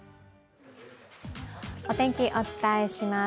お天気、お伝えします。